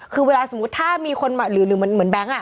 คือเวลาสมมุติถ้ามีคนมาหรือเหมือนแบงค์